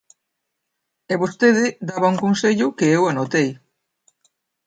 E vostede daba un consello que eu anotei.